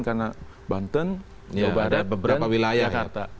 karena banten jawa barat dan jakarta